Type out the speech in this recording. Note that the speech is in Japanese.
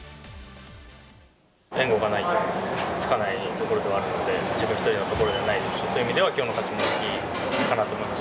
援護がないとつかないところもあるので、自分一人のところではないですし、そういう意味ではきょうの勝ち星は大きいかなと思います。